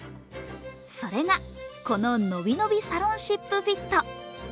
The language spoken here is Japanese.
それが、この、のびのびサロンシップフィット。